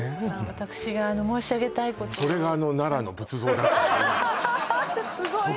私が申し上げたいことそれがあの奈良の仏像だったのねすごいです